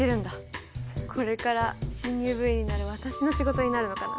これから新入部員になる私の仕事になるのかな。